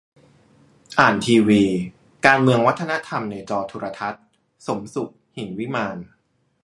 อ่านทีวี : การเมืองวัฒนธรรมในจอโทรทัศน์ - สมสุข หินวิมาน